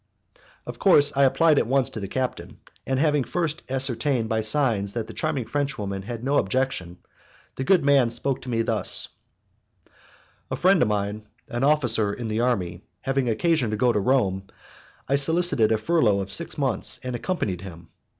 Of course I applied at once to the captain, and, having first ascertained by signs that the charming Frenchwoman had no objection, the good man spoke to me thus: "A friend of mine, an officer in the army, having occasion to go to Rome, I solicited a furlough of six months, and accompanied him.